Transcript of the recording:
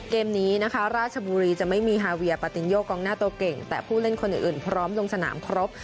เกมนี้นะคะราชบุรีจะไม่มีฮาเวียปาตินโยกองหน้าตัวเก่งแต่ผู้เล่นคนอื่นพร้อมลงสนามครบ